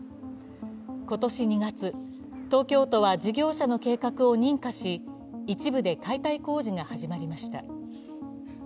今年２月、東京都は事業者の計画を認可し一部で解体工事が始まりました。